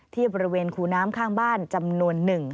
ที่บริเวณคูน้ำข้างบ้านจำนวนหนึ่ง